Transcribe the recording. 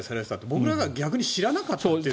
僕らが逆に知らなかった。